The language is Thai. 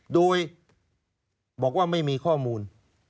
โดยบอกว่าไม่มีข้อมูล